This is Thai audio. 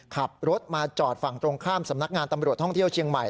ขับรถมาจอดฝั่งตรงข้ามสำนักงานตำรวจท่องเที่ยวเชียงใหม่